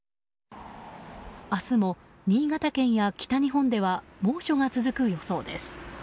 明日も新潟県や北日本では猛暑が続く予想です。